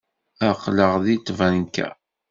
Aql-aɣ deg tbanka.